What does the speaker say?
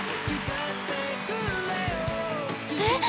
えっ！？